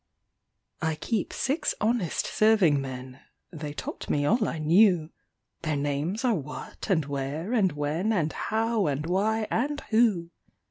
I Keep six honest serving men: (They taught me all I knew) Their names are What and Where and When And How and Why and Who.